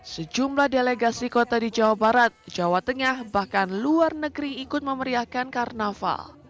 sejumlah delegasi kota di jawa barat jawa tengah bahkan luar negeri ikut memeriahkan karnaval